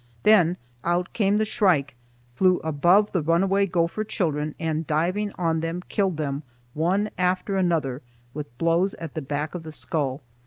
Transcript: Then out came the shrike, flew above the run away gopher children, and, diving on them, killed them one after another with blows at the back of the skull.